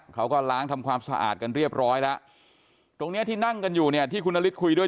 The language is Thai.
เขาก็ล้างทำความสะอาดกันเรียบร้อยแล้วตรงเนี้ยที่นั่งกันอยู่เนี่ยที่คุณนฤทธิคุยด้วย